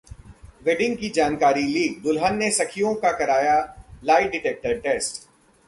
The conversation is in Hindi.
वेडिंग की जानकारी लीक, दुल्हन ने सखियों का कराया लाई डिटेक्टर टेस्ट